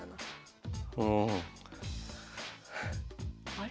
あれ？